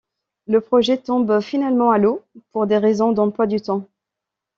Le projet tombe finalement à l'eau pour des raisons d'emploi du temps.